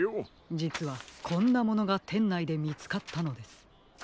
じつはこんなものがてんないでみつかったのです。